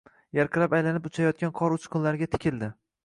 Yarqirab aylanib uchayotgan qor uchqunlarigatikildi.